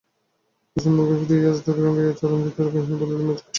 কুসুম মুখ ফিরাইয়া চোখ রাঙাইয়া চরণ দত্তের গৃহিণীকে বলিল, মেয়েটাকে ঠেলছ কেন গা?